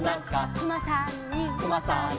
「くまさんに」